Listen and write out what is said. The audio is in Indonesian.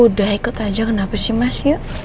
udah ikut aja kenapa sih mas yuk